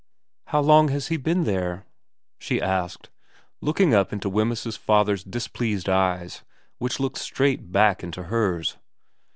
* How long has he been there ?' she asked, looking up into Wemyss's father's displeased eyes which looked straight back into hers.